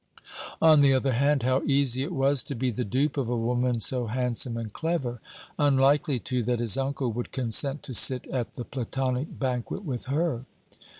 On the other hand, how easy it was to be the dupe of a woman so handsome and clever. Unlikely too that his uncle would consent to sit at the Platonic banquet with her.